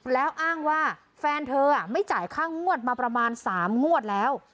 แล้วอ้างว่าแฟนเธอไม่จ่ายค่างวดมาประมาณ๓งวดแล้ว